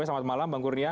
selamat malam bang kurnia